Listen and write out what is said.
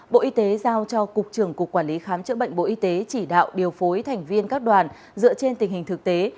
bộ y tế giao cho cục trưởng cục quản lý khám chữa bệnh bộ y tế chỉ đạo điều phối thành viên các đoàn dựa trên tình hình thực tế